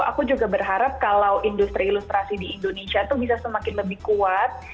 aku juga berharap kalau industri ilustrasi di indonesia itu bisa semakin lebih kuat